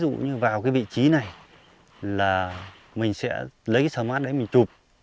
ví dụ như vào cái vị trí này là mình sẽ lấy smart đấy mình chụp